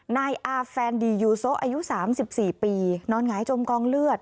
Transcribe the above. นายอาแฟนดียูโซอายุ๓๔ปีนอนหงายจมกองเลือด